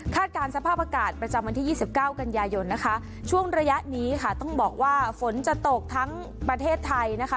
การสภาพอากาศประจำวันที่๒๙กันยายนนะคะช่วงระยะนี้ค่ะต้องบอกว่าฝนจะตกทั้งประเทศไทยนะคะ